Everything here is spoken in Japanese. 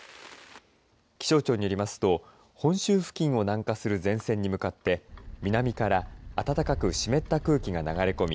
気象庁によりますと本州付近を南下する前線に向かって南から暖かく湿った空気が流れ込み